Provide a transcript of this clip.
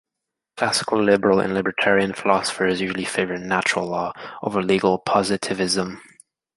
Classical liberal and libertarian philosophers usually favor natural law over legal positivism.